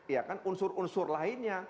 ya kan unsur unsur lainnya